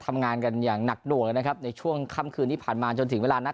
ทำงานกันอย่างหนักหน่วงเลยนะครับในช่วงค่ำคืนที่ผ่านมาจนถึงเวลานัด